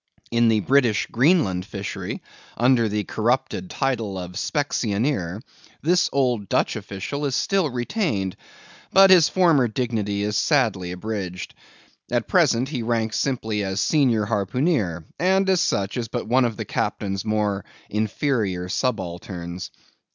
In the British Greenland Fishery, under the corrupted title of Specksioneer, this old Dutch official is still retained, but his former dignity is sadly abridged. At present he ranks simply as senior Harpooneer; and as such, is but one of the captain's more inferior subalterns.